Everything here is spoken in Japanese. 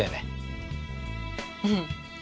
うん。